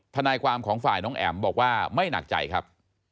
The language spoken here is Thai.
ทนายความของฝ่ายน้องแอ๋มบอกว่าไม่หนักใจครับ